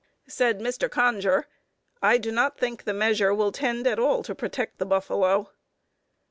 Said Mr. Conger, "I do not think the measure will tend at all to protect the buffalo."